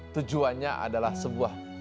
tujuannya adalah sebuah